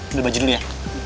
beli baju dulu ya